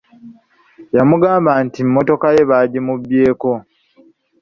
Yamugamba nti mmotoka ye baagimubbyeko.